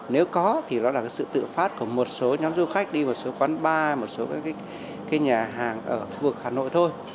nếu có thì đó là sự tự phát của một số nhóm du khách đi một số quán bar một số nhà hàng ở vực hà nội thôi